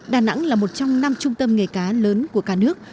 đà nẵng là một trong năm trung tâm nghề cá lớn của cả nước